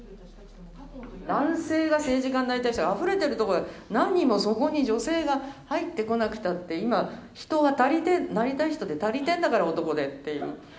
男性が政治家になりたい人があふれているところへ何もそこに女性が入ってこなくたって今人は足りてなりたい人で足りているんだから男でっていう。